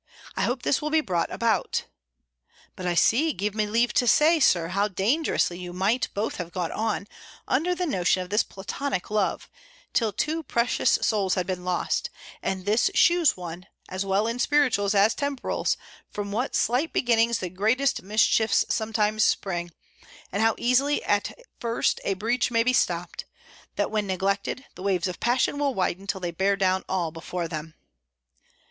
I hope this will be brought about. "But I see, give me leave to say, Sir, how dangerously you might both have gone on, under the notion of this Platonic love, till two precious souls had been lost: and this shews one, as well in spirituals as temporals, from what slight beginnings the greatest mischiefs sometimes spring; and how easily at first a breach may be stopped, that, when neglected, the waves of passion will widen till they bear down all before them."